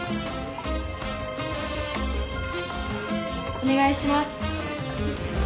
お願いします。